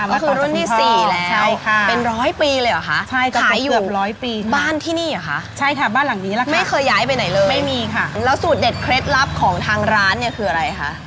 ก็คือรุ่นที่๔แล้วเป็นร้อยปีเลยเหรอคะขายอยู่บ้านที่นี่เหรอคะไม่เคยย้ายไปไหนเลยแล้วสูตรเด็ดเคล็ดลับของทางร้านคืออะไรคะ